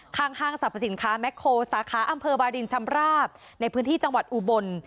ห้างสรรพสินค้าแมคโคลสาขาอำเภอบาดินชำราบในพื้นที่จังหวัดอุบล